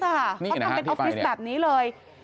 เค้าทำเป็นคอร์เซงส์แบบนี้เลย